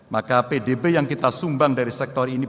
maka pdb yang kita sumbang dari sektor ini